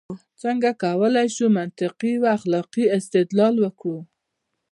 څنګه کولای شو منطقي او اخلاقي استدلال وکړو؟